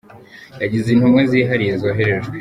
yagize intumwa zihariye zoherejwe.